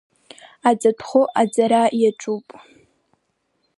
Аҵатәхәы ацара иаҿуп.